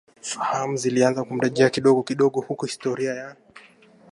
fahamu zilianza kumrejea kidogo kidogo huku historia ya